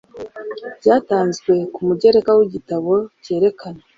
byatanzwe ku mugereka w igitabo cyerekana